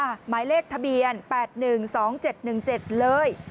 หมายเลขทะเบียน๘๑๒๗๑๗เลย